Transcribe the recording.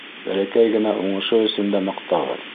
Бәләкәй генә уңышы өсөн дә маҡтағыҙ.